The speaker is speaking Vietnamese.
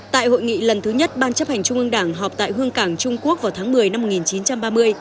tại hội nghị lần thứ nhất ban chấp hành trung ương đảng họp tại hương cảng trung quốc vào tháng một mươi năm một nghìn chín trăm ba mươi